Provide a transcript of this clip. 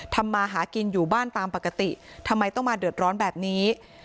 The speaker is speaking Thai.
มาหากินอยู่บ้านตามปกติทำไมต้องมาเดือดร้อนแบบนี้